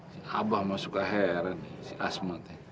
si abah mah suka heran si asma